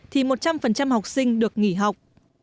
thì một trăm linh học sinh được nghỉ học